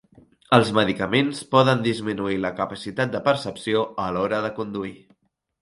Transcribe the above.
Els medicaments poden disminuir la capacitat de percepció a l'hora de conduir.